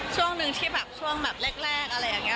ช่วงหนึ่งที่แบบช่วงแบบแรกอะไรอย่างนี้